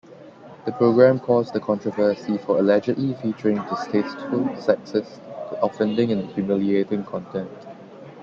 The programme caused a controversy for allegedly featuring distasteful, sexist, offending and humiliating content.